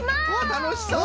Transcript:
たのしそう！